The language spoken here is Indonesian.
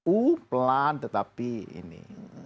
u pelan tetapi ini